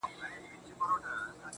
ژوند له زحمته معنا پیدا کوي.